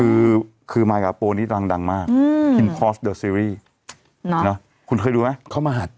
คือคือมากับนี่ตลางดังมากอืมคุณเคยดูไหมเข้ามาหัด